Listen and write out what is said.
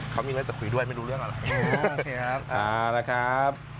เขามีอะไรจะคุยด้วยไม่รู้เรื่องอะไรโอเคครับมาแล้วครับ